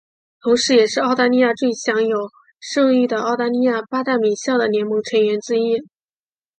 同时也是澳大利亚最享有盛誉的澳大利亚八大名校的联盟成员之一。